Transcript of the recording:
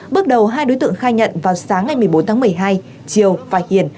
bước đầu hai đối tượng khai nhận vào sáng ngày một mươi bốn tháng một mươi hai triều và hiền